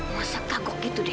masa kaguk gitu deh